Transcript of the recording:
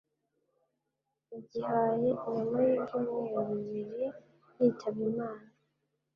yagihaye nyuma y’ibyumweru bibiri yitabye Imana